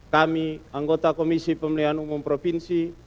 kami anggota komisi pemilihan umum provinsi